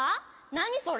なにそれ？